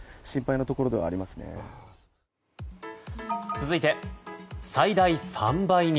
続いて、最大３倍に。